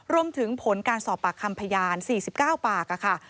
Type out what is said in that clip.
รวมถึงผลการสอบปากคำพยาน๔๙ปากค่ะ